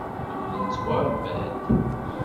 Nekkni nettwaṛebba-d.